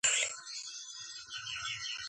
შემორჩენილია ოთხი სართული.